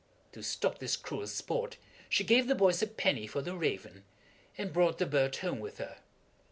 To stop this cruel sport she gave the boys a penny for the raven, and brought the bird home with her.